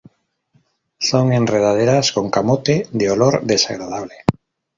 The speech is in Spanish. Son enredaderas con camote de olor desagradable.